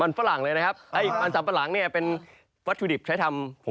อันต่อไปไปอื่นนะครับ